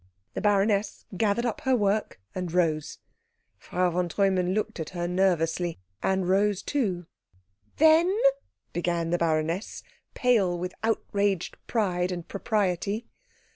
The baroness gathered up her work and rose. Frau von Treumann looked at her nervously, and rose too. "Then " began the baroness, pale with outraged pride and propriety.